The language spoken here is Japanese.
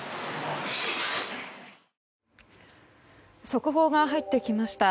速報が入ってきました。